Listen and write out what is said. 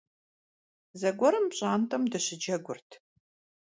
Zeguerım pş'ant'em dışıcegurt.